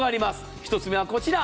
１つはこちら。